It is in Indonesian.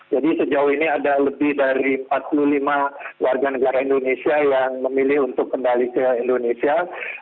jadi sejauh ini ada lebih dari empat puluh lima warga negara indonesia yang memilih untuk kembali ke indonesia